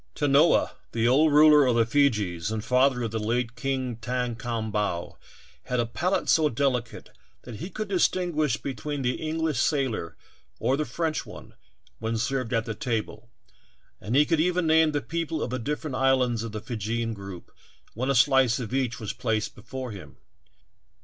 Tanoa, the old ruler of the Feejees and father of the late King Thakom bau, had a palate so delicate that he could distin guish between the English sailor or the French one when served at the table, and he could even name the people of the different islands of the Feejeean group when a slice of each was placed before him.